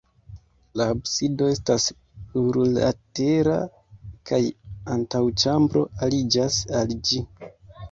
La absido estas plurlatera kaj antaŭĉambro aliĝas al ĝi.